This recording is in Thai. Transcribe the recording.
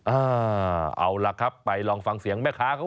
เอาล่ะครับไปลองฟังเสียงแม่ค้าเขา